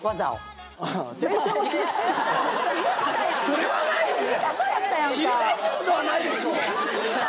それはないよね？